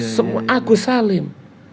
semua agus salim